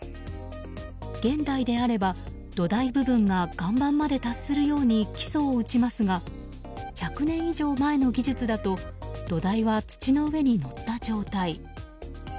現代であれば土台部分が岩盤まで達するように基礎を打ちますが１００年以上前の技術だと土台は土の上に乗った状態。